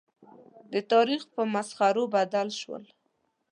د تاریخ په مسخرو بدل شول.